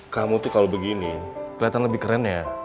kamu tuh kalo begini keliatan lebih keren ya